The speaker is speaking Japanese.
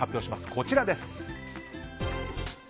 こちらです。